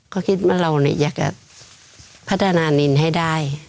ก็คิดว่าเราอยากจะพัฒนานินให้ได้